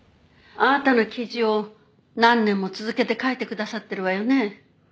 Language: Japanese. あなたの記事を何年も続けて書いてくださってるわよね？